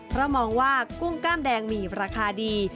เพราะมองว่ากุ้งกล้ามแดงมีราคาดี